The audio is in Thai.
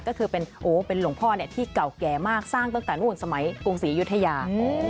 ก็คือเป็นหลวงพ่อที่เก่าแก่มากสร้างตั้งแต่นู่นสมัยกรุงศรียุธยา